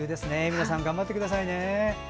皆さん頑張ってくださいね。